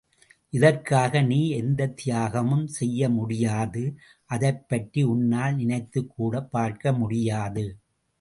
இதற்காக, நீ எந்தத் தியாகமும் செய்ய முடியாது அதைப் பற்றி உன்னால் நினைத்துக் கூடப் பார்க்க முடியாது.